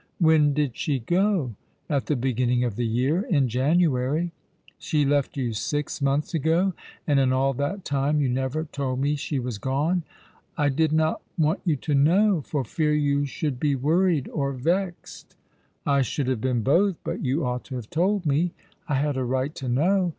" When did she go ?" "At the beginning of the year— in January." " She left you six months ago, and in all that time you never told me she was gone." "1 did not want you to know, for fear you should bo worried or vexed." "I should have been both; but you ought to have told me. I had a right to know.